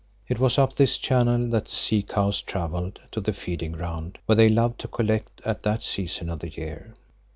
It was up this channel that the sea cows travelled to the feeding ground where they loved to collect at that season of the year.